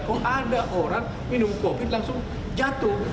oh ada orang minum kopi langsung jatuh